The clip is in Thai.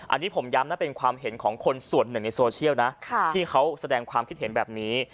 อันนี้ผมย้ำนะเป็นความเห็นของคนส่วนหนึ่งในโซเชียลนะที่เขาแสดงความคิดเห็นแบบนี้